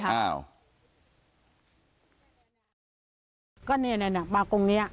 พวกมันมาปรึ้งกรุงนี้